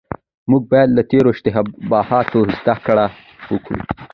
موږ بايد له تېرو اشتباهاتو زده کړه وکړو.